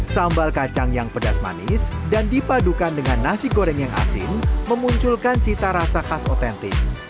sambal kacang yang pedas manis dan dipadukan dengan nasi goreng yang asin memunculkan cita rasa khas otentik